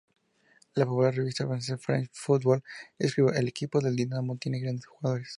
La popular revista francesa "France Football" escribió: "el equipo del Dinamo tiene grandes jugadores.